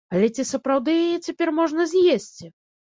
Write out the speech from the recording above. Але ці сапраўды яе цяпер можна з'есці?